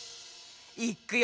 いっくよ。